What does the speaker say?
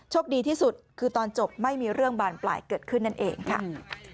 ดีที่สุดคือตอนจบไม่มีเรื่องบานปลายเกิดขึ้นนั่นเองค่ะ